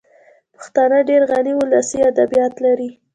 پښتانه ډېر غني ولسي ادبیات لري